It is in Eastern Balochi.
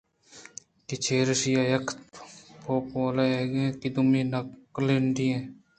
کہ چرایشاں یکّے پوپل ئیگ اَت ءُ دومی کلنڈی ئے